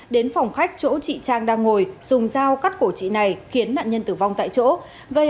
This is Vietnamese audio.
đến phòng khách chỗ chị trang đang ngồi dùng dao cắt cổ chị này khiến nạn nhân tử vong tại chỗ